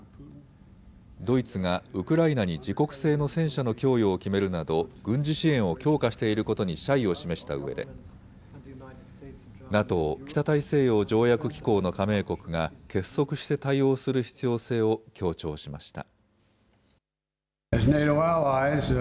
ドイツがウクライナに自国製の戦車の供与を決めるなど軍事支援を強化していることに謝意を示したうえでＮＡＴＯ・北大西洋条約機構の加盟国が結束して対応する必要性を強調しました。